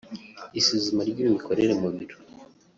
Isuzuma ry’imikorere mu biro